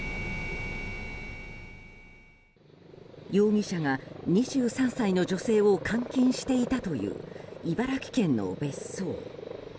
容疑者が２３歳の女性を監禁していたという茨城県の別荘。